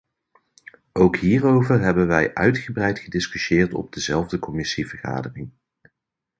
Ook hierover hebben wij uitgebreid gediscussieerd op dezelfde commissievergadering.